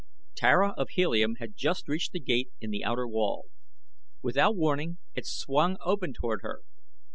Tara of Helium had just reached the gate in the outer wall. Without warning it swung open toward her.